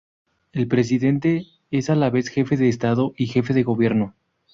El presidente es a la vez jefe de Estado y jefe de gobierno.